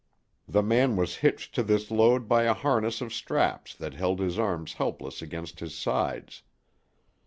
The man was hitched to this load by a harness of straps that held his arms helpless against his sides.